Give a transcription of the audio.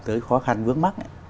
tới khó khăn vướng mắt